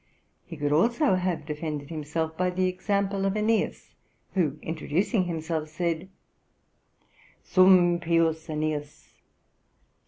He could also have defended himself by the example of Aeneas, who, introducing himself, said: 'Sum pius Aeneas